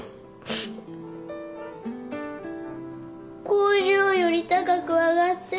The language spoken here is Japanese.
工場より高く上がって。